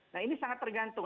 nah ini sangat tergantung